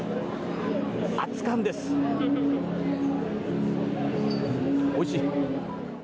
熱かんです、おいしい。